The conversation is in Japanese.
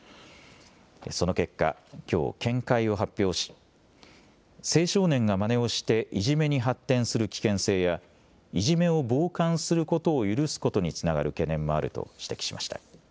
その結果、きょう見解を発表し青少年がまねをしていじめに発展する危険性やいじめを傍観することを許すことにつながる懸念もあると指摘しました。